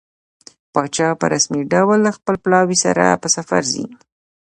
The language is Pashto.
پاچا په رسمي ډول له خپل پلاوي سره په سفر ځي.